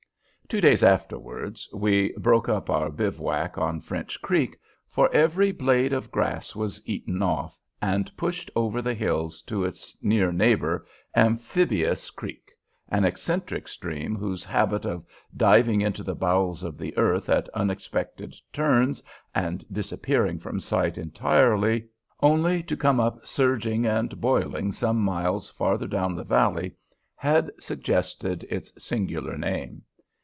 Two days afterwards we broke up our bivouac on French Creek, for every blade of grass was eaten off, and pushed over the hills to its near neighbor, Amphibious Creek, an eccentric stream whose habit of diving into the bowels of the earth at unexpected turns and disappearing from sight entirely, only to come up surging and boiling some miles farther down the valley, had suggested its singular name.